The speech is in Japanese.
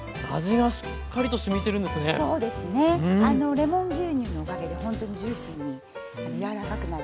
レモン牛乳のおかげでほんとにジューシーに柔らかくなる。